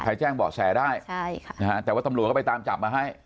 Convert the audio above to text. แจ้งเบาะแสได้ใช่ค่ะนะฮะแต่ว่าตำรวจก็ไปตามจับมาให้